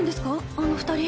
あの二人。